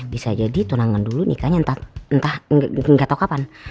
bisa jadi tunangan dulu nikahnya entah gak tau kapan